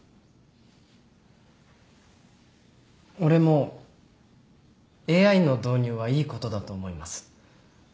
俺もＡＩの導入はいいことだと思います。